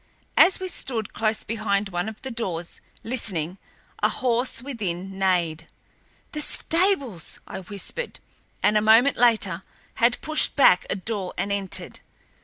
As we stood close behind one of the doors, listening, a horse within neighed. "The stables!" I whispered, and, a moment later, had pushed back a door and entered.